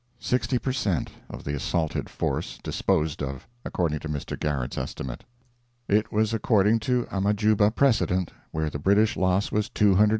Sixty per cent. of the assaulted force disposed of according to Mr. Garrett's estimate. It was according to Amajuba precedent, where the British loss was 226 out of about 400 engaged.